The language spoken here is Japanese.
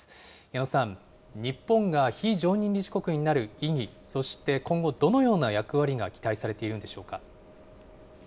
矢野さん、日本が非常任理事国になる意義、そして今後、どのような役割が期待されているんでしょうか。